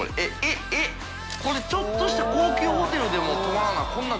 これちょっとした高級ホテルでも泊まらないと海鵑弊